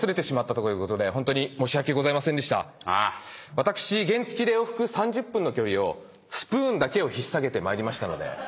私原付で往復３０分の距離をスプーンだけを引っ提げて参りましたので。